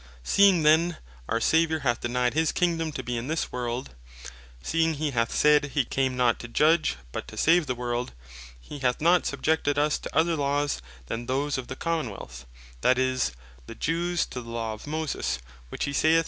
Seeing then our Saviour hath denyed his Kingdome to be in this world, seeing he hath said, he came not to judge, but to save the world, he hath not subjected us to other Laws than those of the Common wealth; that is, the Jews to the Law of Moses, (which he saith (Mat.